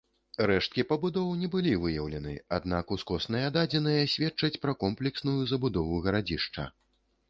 Рэшткі пабудоў не былі выяўлены, аднак ускосныя дадзеныя сведчаць пра комплексную забудову гарадзішча.